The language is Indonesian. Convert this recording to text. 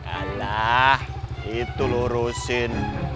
alah itu lu urusin